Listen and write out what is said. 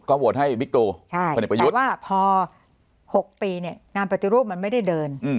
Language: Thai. ก็โหวตให้ใช่แต่ว่าพอหกปีเนี่ยงานปฏิรูปมันไม่ได้เดิน